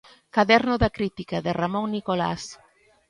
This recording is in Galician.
Caderno da crítica, de Ramón Nicolás.